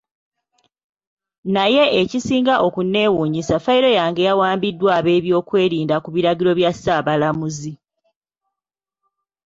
Naye ekisinga okunneewuunyisa fayiro yange yawambiddwa ab'ebyokwerinda ku biragiro bya Ssaabalamuzi.